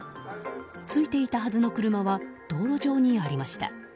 付いていたはずの車は道路上にありました。